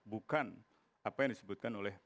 bukan apa yang disebutkan oleh